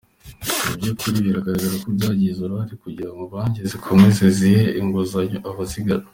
Mu by’ukuri bigaragara ko byagize uruhare kugira ngo banki zikomeze zihe inguzanyo abazigana.